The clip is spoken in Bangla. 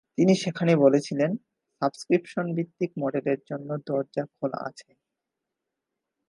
তিনি সেখানে বলেছিলেন, সাবস্ক্রিপশনভিত্তিক মডেলের জন্য দরজা খোলা আছে।